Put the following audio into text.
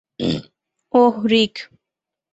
ওহ, রিক।